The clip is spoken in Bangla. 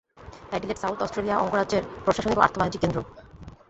অ্যাডিলেড সাউথ অস্ট্রেলিয়া অঙ্গরাজ্যের প্রশাসনিক ও আর্থ-বাণিজ্যিক কেন্দ্র।